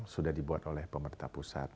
sudah dibuat oleh pemerintah pusat